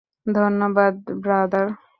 ধন্যবাদ, ব্রাদার।